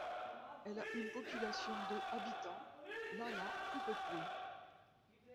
Elle a une population de habitants, la la plus peuplée.